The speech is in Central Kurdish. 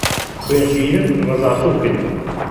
خوێن شیرن، ڕەزا سووکن